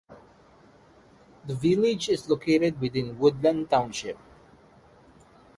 The village is located within Woodland Township.